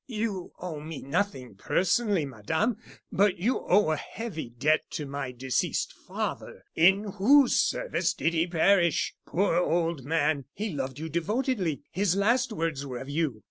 "You owe me nothing personally, Madame; but you owe a heavy debt to my deceased father. In whose service did he perish? Poor old man! he loved you devotedly. His last words were of you.